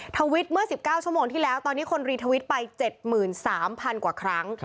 ทวิตเมื่อ๑๙ชั่วโมงที่แล้วตอนนี้คนรีทวิตไป๗๓๐๐๐กว่าครั้ง